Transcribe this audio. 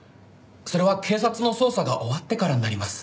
それは警察の捜査が終わってからになります。